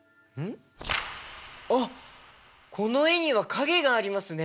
あっこの絵には影がありますね。